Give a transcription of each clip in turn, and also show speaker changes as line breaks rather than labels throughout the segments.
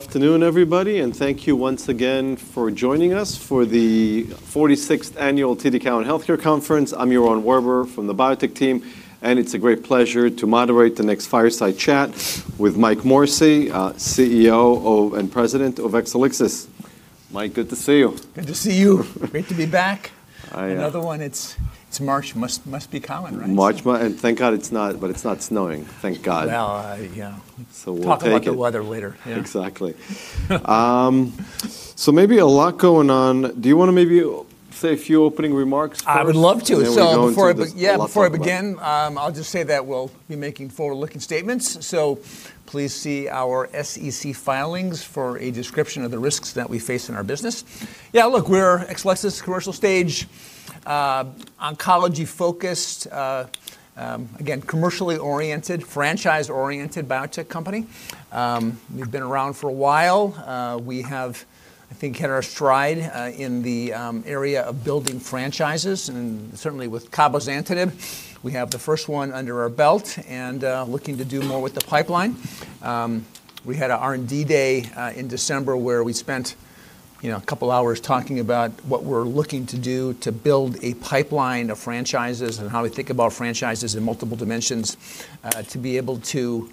Afternoon, everybody, and thank you once again for joining us for the 46th Annual TD Cowen Healthcare Conference. I'm Yaron Werber from the biotech team, and it's a great pleasure to moderate the next fireside chat with Mike Morrissey, CEO and President of Exelixis. Mike, good to see you.
Good to see you. Great to be back.
I know.
Another one. It's March. Must be common, right?
March. Thank God it's not snowing. Thank God.
Well, I, yeah.
We'll take it.
Talk about the weather later. Yeah.
Exactly. Maybe a lot going on. Do you wanna maybe say a few opening remarks first?
I would love to
then we can go into.
Before I begin, I'll just say that we'll be making forward-looking statements, so please see our SEC filings for a description of the risks that we face in our business. Look, we're Exelixis commercial stage, oncology-focused, again, commercially oriented, franchise-oriented biotech company. We've been around for a while. We have, I think, hit our stride, in the area of building franchises and certainly with cabozantinib. We have the first one under our belt and looking to do more with the pipeline. We had an R&D day in December where we spent, you know, a couple hours talking about what we're looking to do to build a pipeline of franchises and how we think about franchises in multiple dimensions to be able to,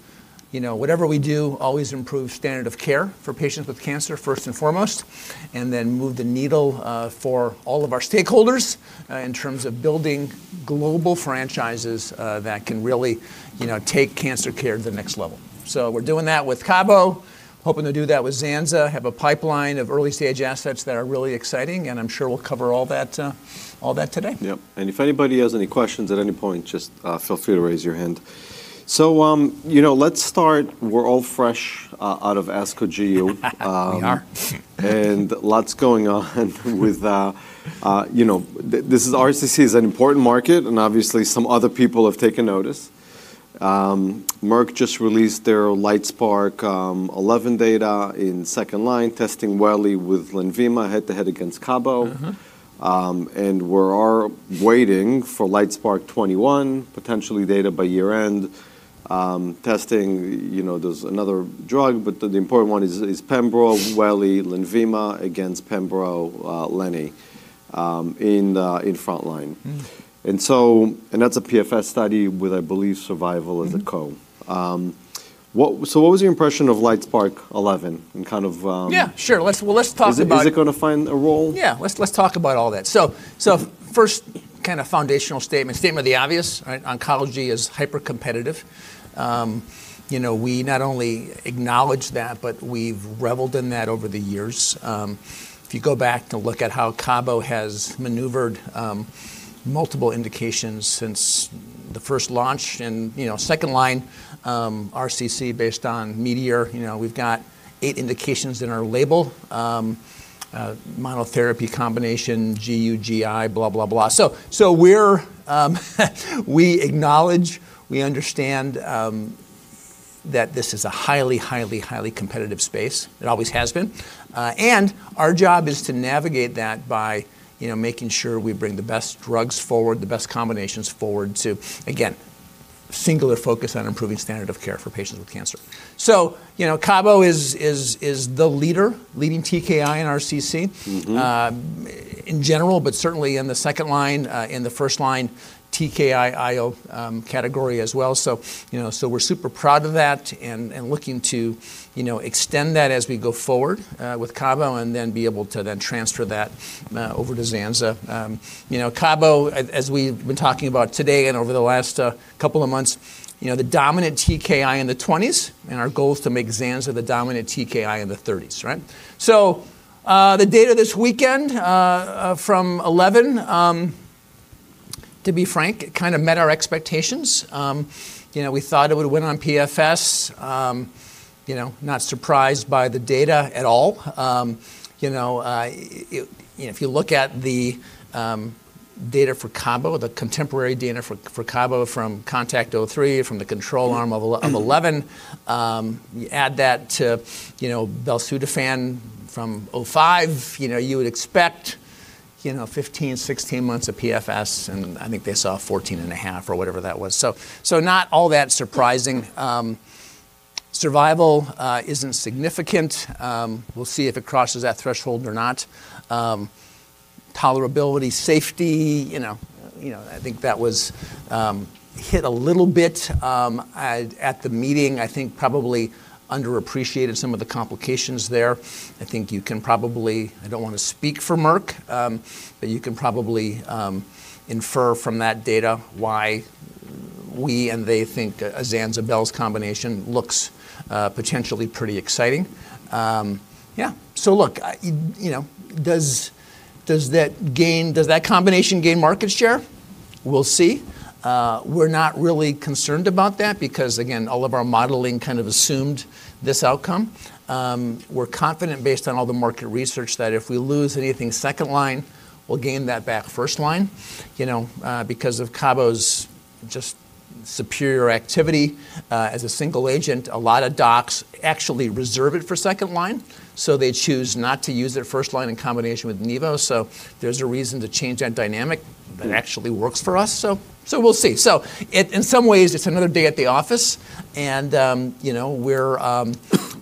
you know, whatever we do, always improve standard of care for patients with cancer first and foremost, then move the needle for all of our stakeholders in terms of building global franchises that can really, you know, take cancer care to the next level. We're doing that with cabo, hoping to do that with zanza, have a pipeline of early-stage assets that are really exciting. I'm sure we'll cover all that today.
Yep. If anybody has any questions at any point, just feel free to raise your hand. You know, let's start. We're all fresh out of ASCO GU.
We are.
Lots going on with, you know, this is RCC is an important market, and obviously some other people have taken notice. Merck just released their LITESPARK-011 data in second line testing Weli with Lenvima head to head against cabo.
Mm-hmm.
We're all waiting for LITESPARK-021, potentially data by year-end, testing, you know, there's another drug, but the important one is pembro, Weli, Lenvima against pembro, Leni in the front-line.
Mm.
That's a PFS study with, I believe, survival as a co. so what was your impression of LITESPARK-011 and kind of?
Yeah, sure. Let's, well, let's talk about it.
Is it gonna find a role?
Yeah. Let's, let's talk about all that. First kinda foundational statement of the obvious, right? Oncology is hypercompetitive. You know, we not only acknowledge that, but we've reveled in that over the years. If you go back to look at how cabo has maneuvered, multiple indications since the first launch and, you know, second line, RCC based on METEOR, you know, we've got eight indications in our label, monotherapy combination, GU, GI, blah, blah. We're, we acknowledge, we understand that this is a highly, highly competitive space. It always has been. Our job is to navigate that by, you know, making sure we bring the best drugs forward, the best combinations forward to, again, singular focus on improving standard of care for patients with cancer. you know, cabo is the leading TKI in RCC.
Mm-hmm...
in general, but certainly in the second line, in the first line TKI IO category as well. You know, we're super proud of that and looking to, you know, extend that as we go forward with cabo and then be able to then transfer that over to zanza. You know, cabo, as we've been talking about today and over the last couple of months, you know, the dominant TKI in the twenties, our goal is to make zanza the dominant TKI in the thirties, right? The data this weekend from eleven, to be frank, it kinda met our expectations. You know, we thought it would win on PFS. You know, not surprised by the data at all. You know, if you look at the data for cabo, the contemporary data for cabo from CONTACT-03, from the control arm of 11, you add that to, you know, belzutifan from 05, you know, you would expect, you know, 15, 16 months of PFS, and I think they saw 14.5 or whatever that was. Not all that surprising. Survival isn't significant. We'll see if it crosses that threshold or not. Tolerability, safety, you know, you know, I think that was hit a little bit at the meeting. I think probably underappreciated some of the complications there. I think you can probably... I don't wanna speak for Merck, you can probably infer from that data why we and they think a Zanza/Bel's combination looks potentially pretty exciting. Yeah. Look, you know, does that combination gain market share? We'll see. We're not really concerned about that because, again, all of our modeling kind of assumed this outcome. We're confident based on all the market research that if we lose anything second line, we'll gain that back first line, you know, because of Cabo's just superior activity as a single agent. A lot of docs actually reserve it for second line. They choose not to use their first line in combination with Nivo. There's a reason to change that dynamic that actually works for us. We'll see. In some ways, it's another day at the office and, you know, we're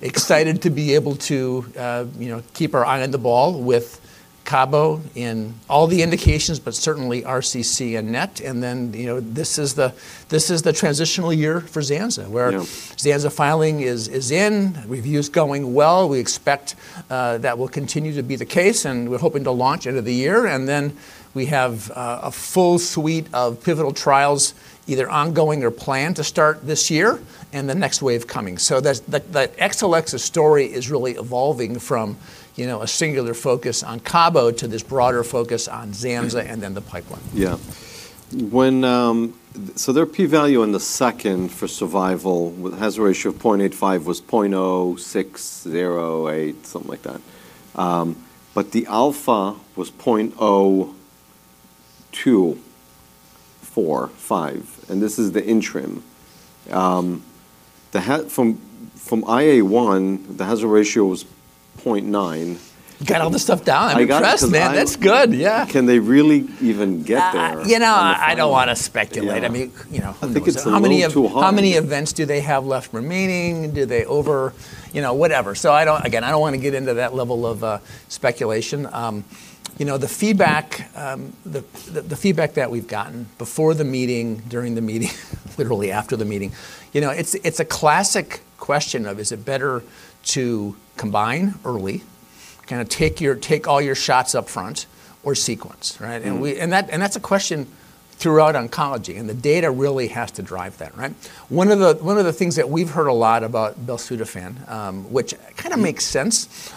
excited to be able to, you know, keep our eye on the ball with cabo in all the indications, but certainly RCC and NET. You know, this is the transitional year for Zanza-
Yep.
where Zanza filing is in. Review's going well. We expect that will continue to be the case, and we're hoping to launch end of the year. We have a full suite of pivotal trials either ongoing or planned to start this year and the next wave coming. Like, the Exelixis story is really evolving from, you know, a singular focus on cabo to this broader focus on zanzalintinib and then the pipeline.
Yeah. When, their P value in the second for survival with hazard ratio of 0.85 was 0.0608, something like that. The alpha was 0.0245. This is the interim. From IA one, the hazard ratio was 0.9.
You got all this stuff down.
I got it 'cause I-.
I'm impressed, man. That's good. Yeah.
Can they really even get there on the front line?
You know, I don't wanna speculate.
Yeah.
I mean, you know, who knows?
I think it's a little too high.
How many events do they have left remaining? You know, whatever. Again, I don't wanna get into that level of speculation. You know, the feedback, the feedback that we've gotten before the meeting, during the meeting, literally after the meeting, you know, it's a classic question of, is it better to combine early, kinda take all your shots up front or sequence, right?
Mm-hmm.
That, and that's a question throughout oncology, and the data really has to drive that, right? One of the things that we've heard a lot about belzutifan, which kinda makes sense,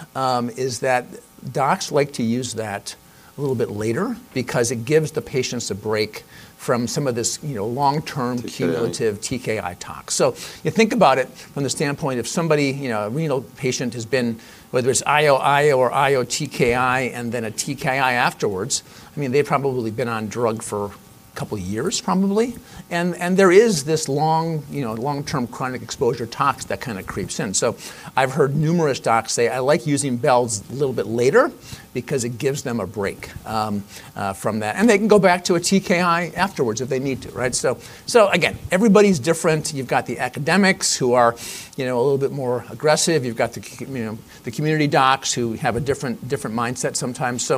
is that docs like to use that a little bit later because it gives the patients a break from some of this, you know, long-term.
TKI.
cumulative TKI tox. You think about it from the standpoint of somebody, you know, a renal patient has been whether it's IO-IO or IO-TKI and then a TKI afterwards. I mean, they've probably been on drug for 2 years probably. There is this long, you know, long-term chronic exposure tox that kinda creeps in. I've heard numerous docs say, "I like using bels a little bit later because it gives them a break from that." They can go back to a TKI afterwards if they need to, right? Again, everybody's different. You've got the academics who are, you know, a little bit more aggressive. You've got the, you know, the community docs who have a different mindset sometimes.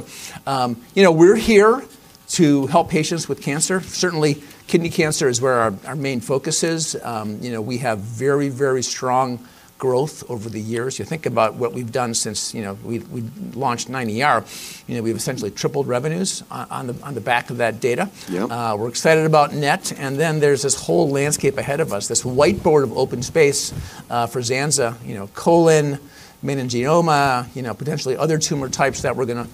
You know, we're here to help patients with cancer. Certainly, kidney cancer is where our main focus is. You know, we have very strong growth over the years. You think about what we've done since, you know, we've launched CABOMETYX. You know, we've essentially tripled revenues on the back of that data.
Yep.
We're excited about NET. There's this whole landscape ahead of us, this whiteboard of open space for zanzalintinib. You know, colon, meningioma, you know, potentially other tumor types that we're gonna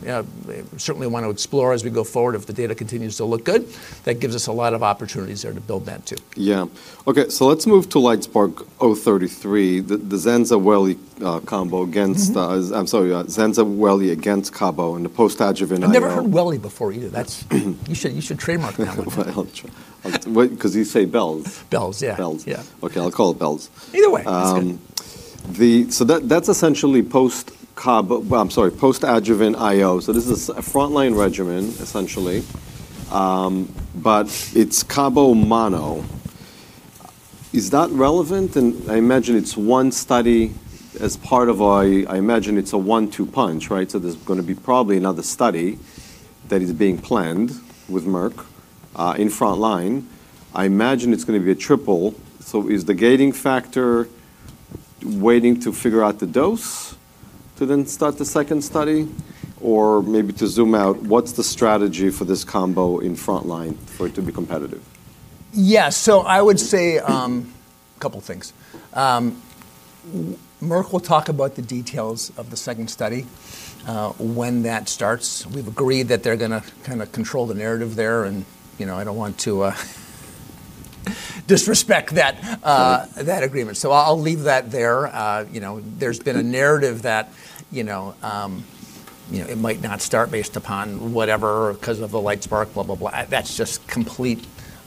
certainly wanna explore as we go forward if the data continues to look good. That gives us a lot of opportunities there to build that too.
Yeah. Okay, let's move to LITESPARK-033, the zanza/weli combo against-
Mm-hmm.
I'm sorry, zanzalintinib/Weli against cabo in the post-adjuvant IO.
I've never heard Weli before either. That's. You should trademark that.
I'll try. Wait, 'cause you saybels.
Bels, yeah.
Bels.
Yeah.
Okay, I'll call belzutifan.
Either way, it's good.
That's essentially Well, I'm sorry, post-adjuvant IO. This is a frontline regimen, essentially. But it's cabo mono. Is that relevant? I imagine it's one study as part of a, I imagine it's a one-two punch, right? There's gonna be probably another study that is being planned with Merck in frontline. I imagine it's gonna be a triple. Is the gating factor waiting to figure out the dose to then start the second study? Maybe to zoom out, what's the strategy for this combo in frontline for it to be competitive?
Yeah. I would say, couple things. Merck will talk about the details of the second study, when that starts. We've agreed that they're gonna kinda control the narrative there and, you know, I don't want to, disrespect that.
Totally.
That agreement. I'll leave that there. You know, there's been a narrative that, you know, it might not start based upon whatever 'cause of the LITESPARK, blah, blah. That's just complete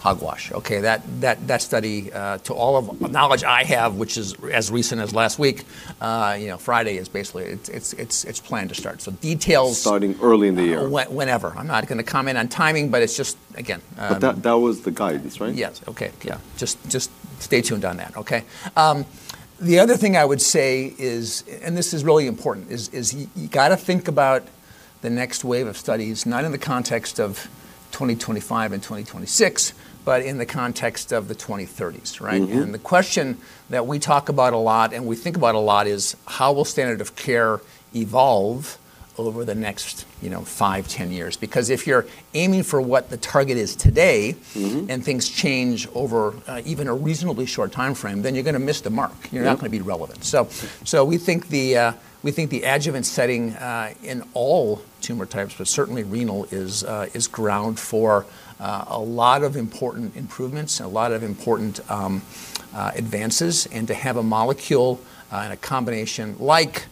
hogwash, okay? That study, to all of knowledge I have which is as recent as last week, you know, Friday is basically... It's planned to start. Details.
Starting early in the year.
Whenever. I'm not gonna comment on timing, but it's just, again.
That was the guidance, right?
Yes. Okay. Yeah. Just stay tuned on that, okay? The other thing I would say is, this is really important, is you gotta think about the next wave of studies not in the context of 2025 and 2026, but in the context of the 2030s, right?
Mm-hmm.
The question that we talk about a lot and we think about a lot is, how will standard of care evolve over the next, you know, five, 10 years? If you're aiming for what the target is today.
Mm-hmm.
Things change over, even a reasonably short timeframe, then you're gonna miss the mark.
Yeah.
You're not gonna be relevant. We think the adjuvant setting in all tumor types, but certainly renal, is ground for a lot of important improvements and a lot of important advances. To have a molecule and a combination like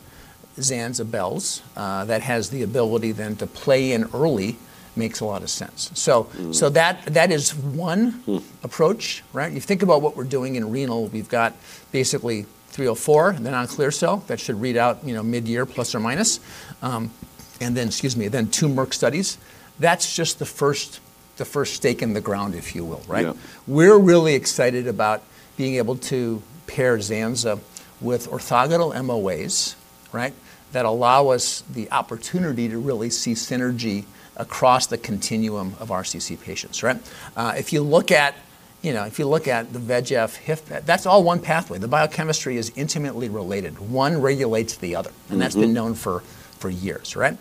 zanzalintinib/belzutifan that has the ability then to play in early. Makes a lot of sense.
Mm.
So that, that is one-
Mm...
approach, right? You think about what we're doing in renal, we've got basically three or four, the non-clear cell that should read out, you know, mid-year plus or minus, then two Merck studies. That's just the first stake in the ground, if you will, right?
Yeah.
We're really excited about being able to pair zanzalintinib with orthogonal MOA, right? That allow us the opportunity to really see synergy across the continuum of RCC patients, right? If you look at, you know, if you look at the VEGF HIF, that's all one pathway. The biochemistry is intimately related. One regulates the other.
Mm-hmm.
That's been known for years, right?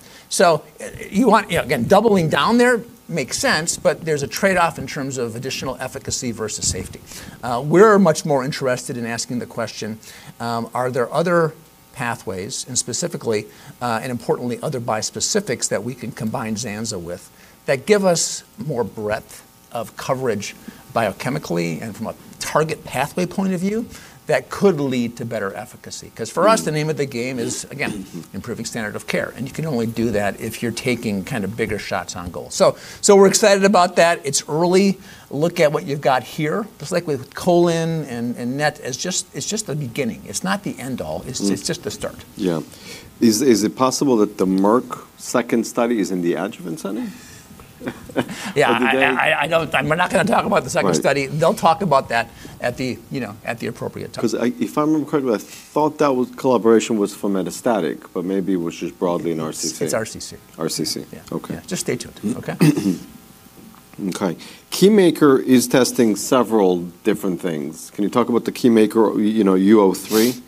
You know, again, doubling down there makes sense, but there's a trade-off in terms of additional efficacy versus safety. We're much more interested in asking the question, are there other pathways and specifically, and importantly, other bispecifics that we can combine zanza with that give us more breadth of coverage biochemically and from a target pathway point of view that could lead to better efficacy? 'Cause for us-
Mm.
The name of the game is.
Mm-hmm...
improving standard of care, and you can only do that if you're taking kind of bigger shots on goal. We're excited about that. It's early. Look at what you've got here. Just like with colon and NET, it's just the beginning. It's not the end all.
Mm.
It's just the start.
Yeah. Is it possible that the Merck second study is in the adjuvant setting?
Yeah.
did they?
I know, I'm not gonna talk about the second study.
Right.
They'll talk about that at the, you know, at the appropriate time.
If I remember correctly, I thought that was collaboration was for metastatic, but maybe it was just broadly in RCC.
It's RCC.
RCC.
Yeah.
Okay.
Yeah. Just stay tuned.
Mm-hmm.
Okay?
Okay. KEYNOTE-B40 is testing several different things. Can you talk about the KEYNOTE-B40, you know, U03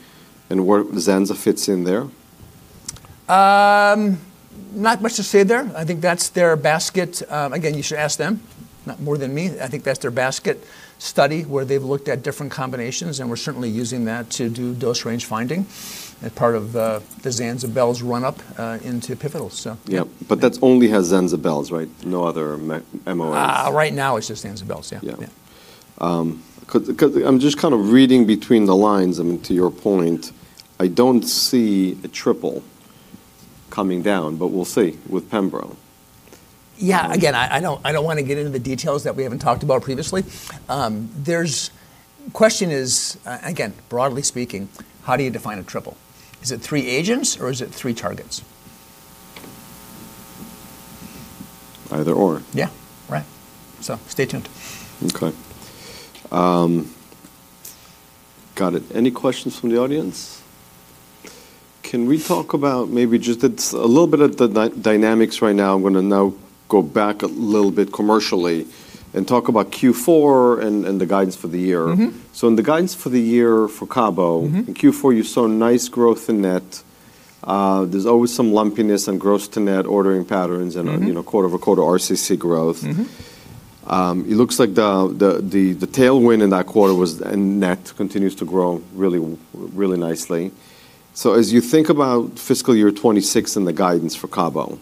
and where zanza fits in there?
Not much to say there. I think that's their basket. Again, you should ask them. Not more than me. I think that's their basket study where they've looked at different combinations, and we're certainly using that to do dose range finding as part of the zanza/Bel's run up into pivotal.
Yeah. that's only has zanzalintinib/belzutifan, right? No other MOA.
Right now it's just zanzalintinib/belzutifan. Yeah.
Yeah.
Yeah.
Because I'm just kind of reading between the lines. I mean, to your point, I don't see a triple coming down, but we'll see with pembro.
Yeah. I don't wanna get into the details that we haven't talked about previously. Question is, again, broadly speaking, how do you define a triple? Is it three agents or is it three targets?
Either or.
Yeah. Right. Stay tuned.
Okay. Got it. Any questions from the audience? Can we talk about maybe just a little bit of the dynamics right now. I'm gonna now go back a little bit commercially and talk about Q4 and the guidance for the year.
Mm-hmm.
In the guidance for the year for cabo.
Mm-hmm
in Q4, you saw nice growth in net. There's always some lumpiness in gross to net ordering patterns.
Mm-hmm...
you know, quarter-over-quarter RCC growth.
Mm-hmm.
It looks like the tailwind in that quarter was, and net continues to grow really, really nicely. As you think about fiscal year 2026 and the guidance for CABO,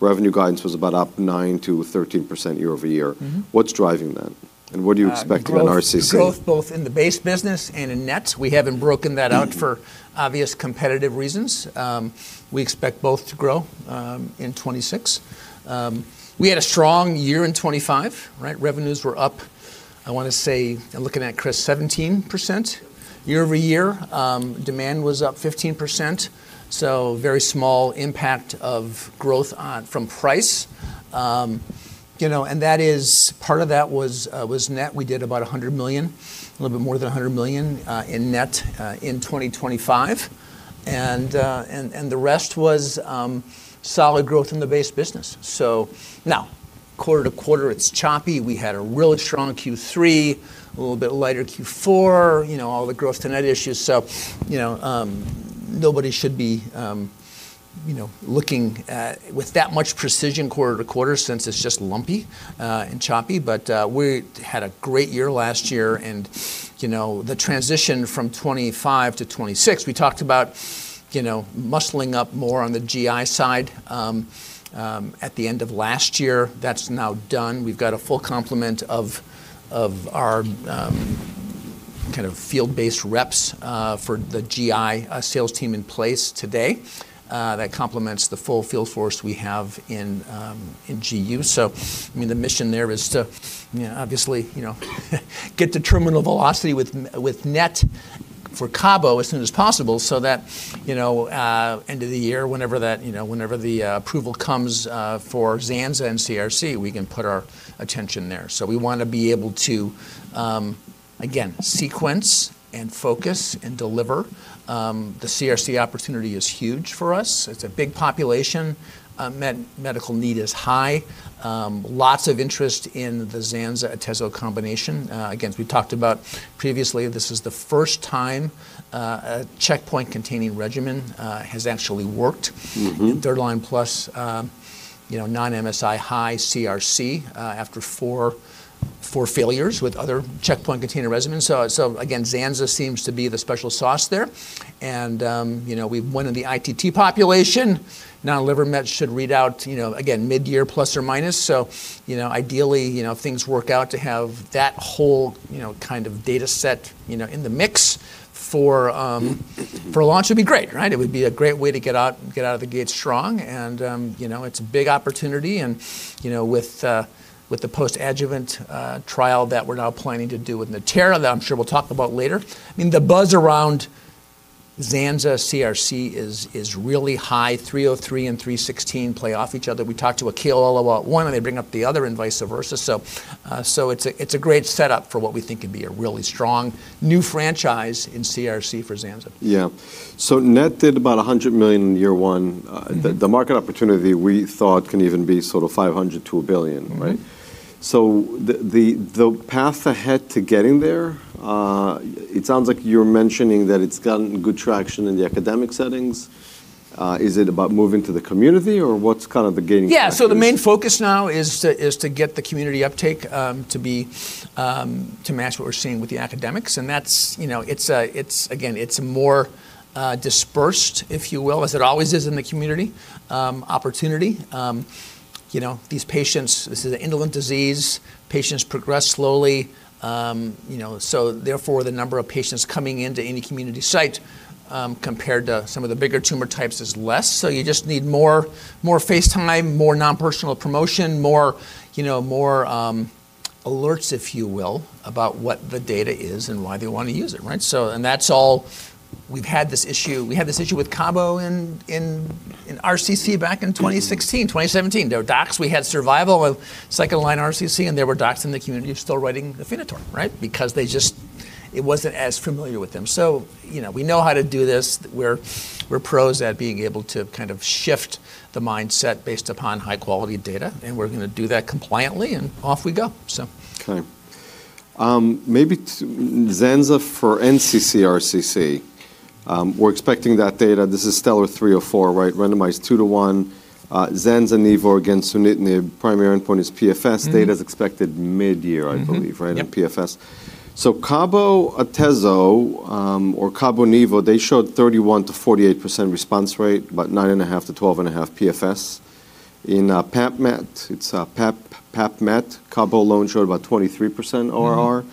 revenue guidance was about up 9%-13% year-over-year.
Mm-hmm.
What's driving that? What do you expect in RCC?
Growth both in the base business and in net. We haven't broken that out for obvious competitive reasons. We expect both to grow in 2026. We had a strong year in 2025, right? Revenues were up, I wanna say, I'm looking at Chris, 17% year-over-year. Demand was up 15%, so very small impact of growth on from price. You know, and that is. Part of that was net. We did about $100 million, a little bit more than $100 million in net in 2025. The rest was solid growth in the base business. Now quarter-to-quarter, it's choppy. We had a really strong Q3, a little bit lighter Q4, you know, all the growth to net issues. You know, nobody should be, you know, looking at with that much precision quarter to quarter since it's just lumpy and choppy. We had a great year last year and, you know, the transition from 2025 to 2026, we talked about, you know, muscling up more on the GI side at the end of last year. That's now done. We've got a full complement of our kind of field-based reps for the GI sales team in place today that complements the full field force we have in GU. I mean, the mission there is to, you know, obviously, you know, get to terminal velocity with net for cabo as soon as possible so that, you know, end of the year, whenever that, you know, whenever the approval comes for zanzalintinib and CRC, we can put our attention there. We wanna be able to, again, sequence and focus and deliver. The CRC opportunity is huge for us. It's a big population. Medical need is high. Lots of interest in the zanzalintinib atezolizumab combination. Again, as we talked about previously, this is the first time a checkpoint-containing regimen has actually worked...
Mm-hmm...
third line plus, you know, non-MSI-high CRC after four failures with other checkpoint-containing regimens. Again, zanza seems to be the special sauce there. You know, we've went in the ITT population. Non-liver mets should read out, you know, again, mid-year plus or minus. You know, ideally, you know, things work out to have that whole, you know, kind of data set, you know, in the mix for launch, it'd be great, right? It would be a great way to get out of the gate strong and, you know, it's a big opportunity and, you know, with the post-adjuvant trial that we're now planning to do with Natera that I'm sure we'll talk about later. I mean, the buzz around-zanza CRC is really high. 303 and 316 play off each other. We talked to KOLs about one, and they bring up the other and vice versa. It's a great setup for what we think could be a really strong new franchise in CRC for Zanzalintinib.
Yeah. net did about $100 million in year 1. The market opportunity we thought can even be sort of $500 million-$1 billion, right?
Mm-hmm.
The path ahead to getting there, it sounds like you're mentioning that it's gotten good traction in the academic settings. Is it about moving to the community, or what's kind of the gaining traction?
The main focus now is to get the community uptake, to be, to match what we're seeing with the academics. That's, you know, it's a, it's again, it's more dispersed, if you will, as it always is in the community opportunity. You know, these patients, this is an indolent disease. Patients progress slowly, you know, so therefore the number of patients coming into any community site compared to some of the bigger tumor types is less. You just need more, more face time, more non-personal promotion, more, you know, more alerts, if you will, about what the data is and why they want to use it, right? That's all. We've had this issue, we had this issue with cabo in RCC back in 2016, 2017. There were docs we had survival of second line RCC, and there were docs in the community still writing Afinitor, right? It wasn't as familiar with them. You know, we know how to do this. We're pros at being able to kind of shift the mindset based upon high-quality data, and we're gonna do that compliantly, and off we go so.
Okay. Maybe Zanza for nccRCC. We're expecting that data. This is STELLAR-304, right? Randomized 2 to 1, Zanza and nivo against sunitinib. Primary endpoint is PFS.
Mm-hmm.
Data is expected midyear, I believe, right?
Mm-hmm. Yep.
In PFS. cabo, atezolizumab, or cabo and nivolumab, they showed 31%-48% response rate, about 9.5-12.5 PFS. In PAPMET, it's PAPMET, cabo alone showed about 23% ORR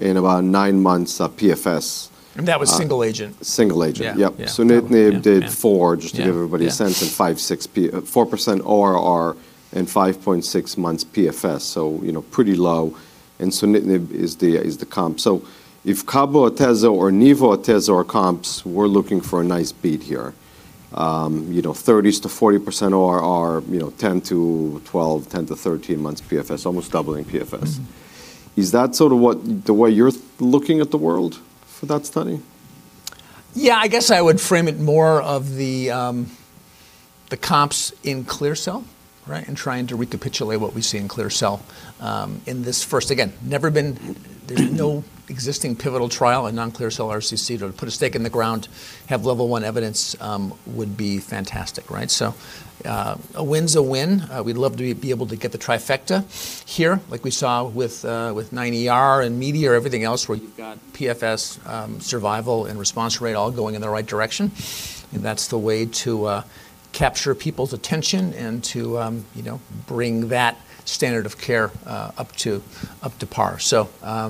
and about 9 months of PFS.
That was single agent.
Single agent.
Yeah. Yeah.
Yep.
Yeah.
Sunitinib did four, just to give everybody a sense.
Yeah. Yeah.
4% ORR and 5.6 months PFS. you know, pretty low. Sunitinib is the comp. If cabo/atezo or nivo/atezo are comps, we're looking for a nice beat here. you know, 30%-40% ORR, you know, 10-12, 10-13 months PFS, almost doubling PFS.
Mm-hmm.
Is that sort of what, the way you're looking at the world for that study?
Yeah, I guess I would frame it more of the comps in clear cell, right? Trying to recapitulate what we see in clear cell in this first. Again, there's no existing pivotal trial in non-clear cell RCC to put a stake in the ground, have level one evidence, would be fantastic, right? A win's a win. We'd love to be able to get the trifecta here like we saw with CheckMate 9ER and METEOR, everything else, where you've got PFS, survival, and response rate all going in the right direction. That's the way to capture people's attention and to, you know, bring that standard of care up to, up to par. Yeah. I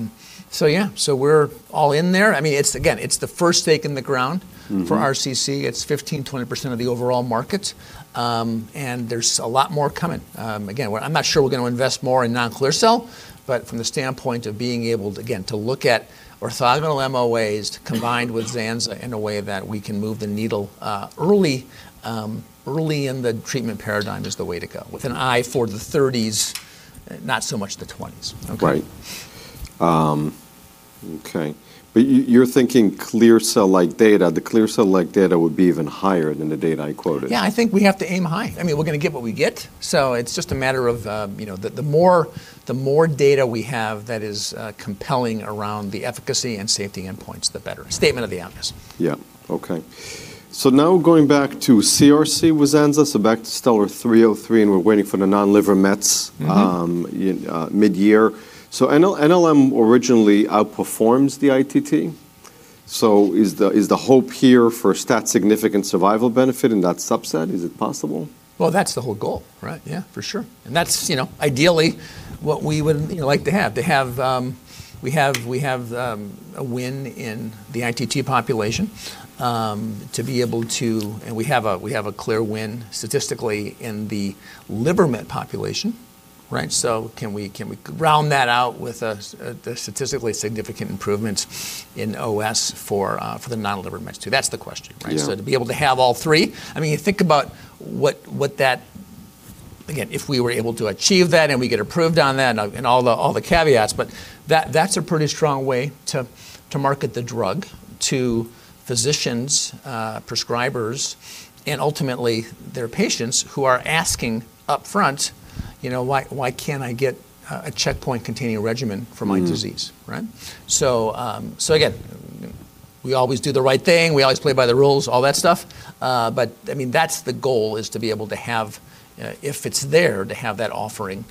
mean, it's again, it's the first stake in the ground.
Mm-hmm
for RCC. It's 15%-20% of the overall market. There's a lot more coming. Again, I'm not sure we're gonna invest more in non-clear cell, but from the standpoint of being able to, again, to look at orthogonal MOA combined with Zanza in a way that we can move the needle, early in the treatment paradigm is the way to go. With an eye for the thirties, not so much the twenties. Okay.
Right. Okay. You're thinking clear cell-like data. The clear cell-like data would be even higher than the data I quoted.
I think we have to aim high. I mean, we're gonna get what we get, it's just a matter of, you know, the more data we have that is compelling around the efficacy and safety endpoints, the better. Statement of the obvious.
Yeah. Okay. Now going back to CRC with Zanza, so back to STELLAR-303, and we're waiting for the non-liver Mets.
Mm-hmm
...midyear. NLM originally outperforms the ITT. Is the hope here for stat significant survival benefit in that subset? Is it possible?
Well, that's the whole goal, right? Yeah, for sure. That's, you know, ideally what we would, you know, like to have. To have, we have a win in the ITT population, to be able to... We have a clear win statistically in the liver mets population, right? Can we round that out with a the statistically significant improvements in OS for the non-liver metastases too? That's the question, right?
Yeah.
To be able to have all three. I mean, you think about what that. Again, if we were able to achieve that and we get approved on that, and all the caveats, but that's a pretty strong way to market the drug to physicians, prescribers, and ultimately their patients who are asking upfront, you know, "Why can't I get a checkpoint-containing regimen for my disease?
Mm.
Right? Again, we always do the right thing. We always play by the rules, all that stuff. I mean, that's the goal is to be able to have, if it's there, to have that offering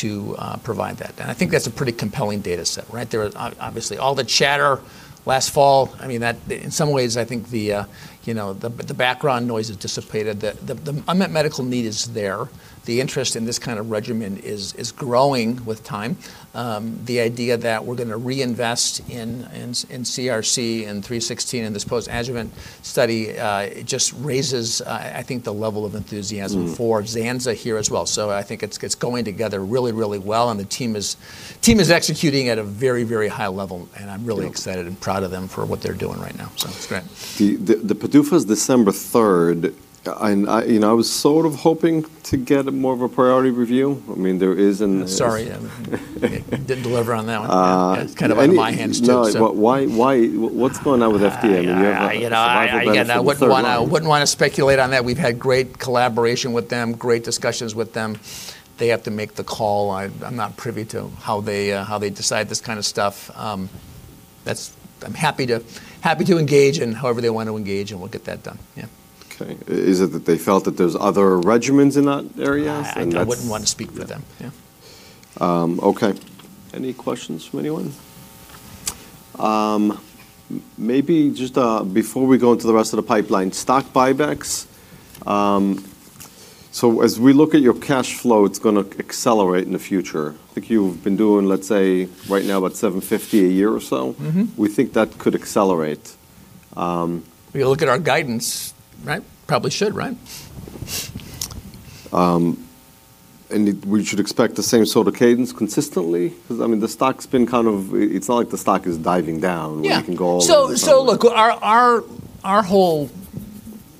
to provide that. I think that's a pretty compelling data set, right? There are obviously all the chatter last fall. I mean, that, in some ways, I think the, you know, the background noise has dissipated. The unmet medical need is there. The interest in this kind of regimen is growing with time. The idea that we're gonna reinvest in CRC and three sixteen in this post adjuvant study, it just raises, I think the level of enthusiasm.
Mm
...for Zanza here as well. I think it's going together really, really well, the team is executing at a very, very high level, I'm really excited and proud of them for what they're doing right now. It's great.
The PDUFA is December third. I, you know, I was sort of hoping to get more of a priority review. I mean, there is.
Sorry. Didn't deliver on that one.
Uh-
It's kind of on my hands too, so.
No, why, what's going on with FDA? I mean, you have a survival benefit with third line.
I, you know, I, again, I wouldn't wanna speculate on that. We've had great collaboration with them, great discussions with them. They have to make the call. I'm not privy to how they decide this kind of stuff. I'm happy to engage in however they wanna engage, and we'll get that done. Yeah.
Okay. Is it that they felt that there's other regimens in that area? That's-
I wouldn't wanna speak for them. Yeah.
Okay. Any questions from anyone? Maybe just, before we go into the rest of the pipeline, stock buybacks. As we look at your cash flow, it's gonna accelerate in the future. I think you've been doing, let's say right now, about $750 a year or so.
Mm-hmm.
We think that could accelerate.
If you look at our guidance, right? Probably should, right.
We should expect the same sort of cadence consistently? 'Cause I mean, the stock's been kind of... It's not like the stock is diving down.
Yeah
where it can go all over the place.
Look, our whole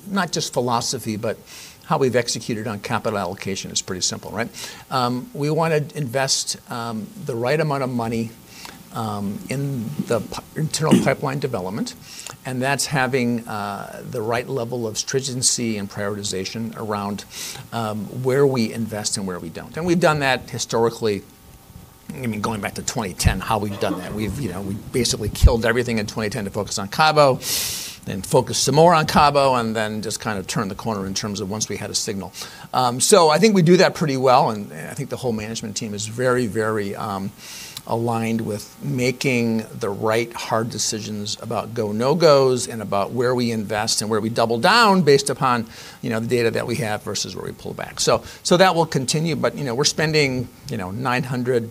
not just philosophy, but how we've executed on capital allocation is pretty simple, right? We wanna invest the right amount of money in the internal pipeline development, and that's having the right level of stringency and prioritization around where we invest and where we don't. We've done that historically, I mean, going back to 2010, how we've done that. We've, you know, we basically killed everything in 2010 to focus on Cabo, then focused some more on Cabo, and then just kind of turned the corner in terms of once we had a signal. I think we do that pretty well, and I think the whole management team is very aligned with making the right hard decisions about go, no gos and about where we invest and where we double down based upon, you know, the data that we have versus where we pull back. That will continue. We're spending, you know, $900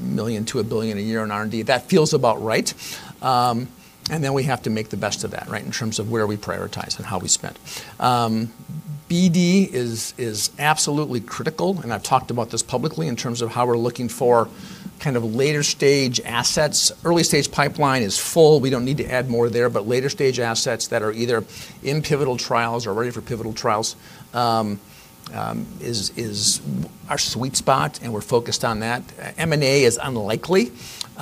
million-$1 billion a year on R&D. That feels about right. Then we have to make the best of that, right, in terms of where we prioritize and how we spend. BD is absolutely critical, and I've talked about this publicly in terms of how we're looking for kind of later stage assets. Early stage pipeline is full. We don't need to add more there. Later stage assets that are either in pivotal trials or ready for pivotal trials is our sweet spot, and we're focused on that. M&A is unlikely. You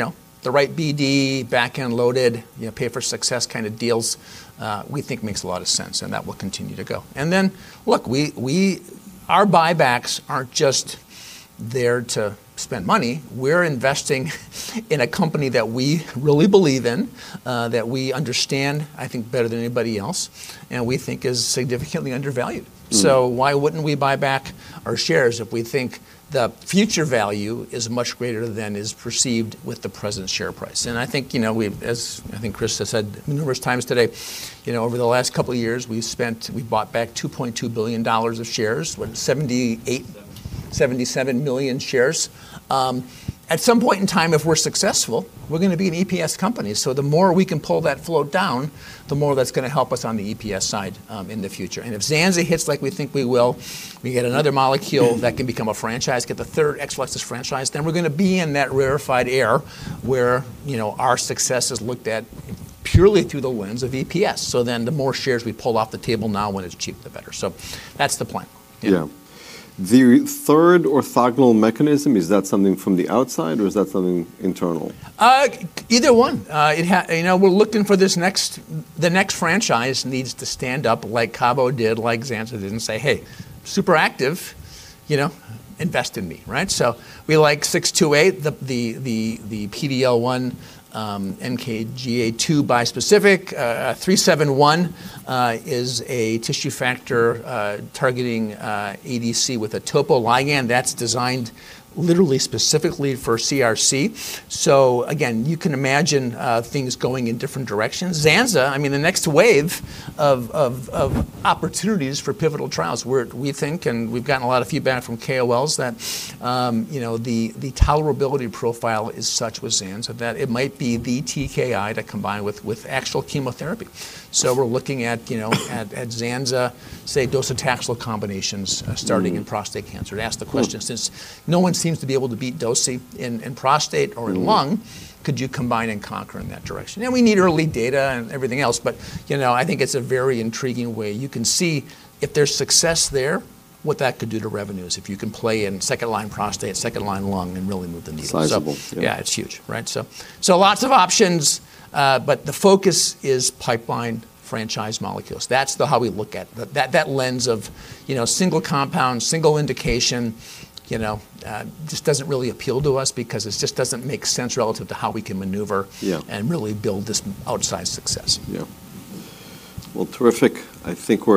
know, the right BD backend loaded, you know, pay for success kinda deals, we think makes a lot of sense, and that will continue to go. Look, we our buybacks aren't just there to spend money. We're investing in a company that we really believe in, that we understand I think better than anybody else, and we think is significantly undervalued.
Mm.
Why wouldn't we buy back our shares if we think the future value is much greater than is perceived with the present share price? I think, you know, as I think Chris has said numerous times today, you know, over the last couple of years, we bought back $2.2 billion of shares. What, 78-
Seventy-seven.
77 million shares. At some point in time, if we're successful, we're gonna be an EPS company, so the more we can pull that float down, the more that's gonna help us on the EPS side in the future. If Zanza hits like we think we will, we get another molecule that can become a franchise, get the third Exelixis franchise, then we're gonna be in that rarefied air where, you know, our success is looked at purely through the lens of EPS. The more shares we pull off the table now when it's cheap, the better. That's the plan. Yeah.
The third orthogonal mechanism, is that something from the outside, or is that something internal?
Either one. You know, we're looking for this next... The next franchise needs to stand up like cabo did, like zanza did, and say, "Hey, super active, you know, invest in me," right? We like 628, the PDL1, NKG2A bispecific. 371 is a tissue factor targeting ADC with a topo ligand. That's designed literally specifically for CRC. Again, you can imagine things going in different directions. Zanza, I mean, the next wave of opportunities for pivotal trials, we think, and we've gotten a lot of feedback from KOLs that, you know, the tolerability profile is such with zanza that it might be the TKI to combine with actual chemotherapy. We're looking at, you know, at Zanza, say, docetaxel combinations starting in prostate cancer to ask the question, since no one seems to be able to beat docetaxel in prostate or in lung, could you combine and conquer in that direction? We need early data and everything else, but, you know, I think it's a very intriguing way. You can see if there's success there, what that could do to revenues if you can play in second-line prostate, second-line lung, and really move the needle.
Sizable. Yeah.
Yeah, it's huge, right? Lots of options. The focus is pipeline franchise molecules. That's how we look at. That lens of, you know, single compound, single indication, you know, just doesn't really appeal to us because it just doesn't make sense relative to how we can maneuver-
Yeah
...and really build this outsized success.
Yeah. Well, terrific. I think.